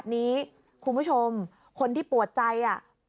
พี่ขอโทษกว่าไม่ได้พี่ขอโทษกว่าไม่ได้